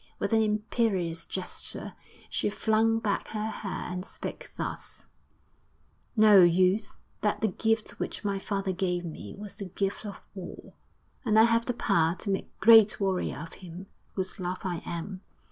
With an imperious gesture she flung back her hair, and spoke thus, 'Know, youth, that the gift which my father gave me was the gift of war, and I have the power to make a great warrior of him whose love I am.